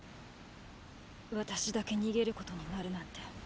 私だけ逃げることになるなんて。